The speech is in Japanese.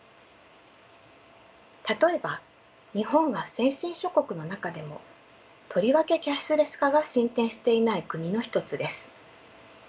例えば日本は先進諸国の中でもとりわけキャッシュレス化が進展していない国の一つです。